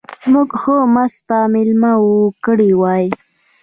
موږ ښه مسته مېله مو کړې وای.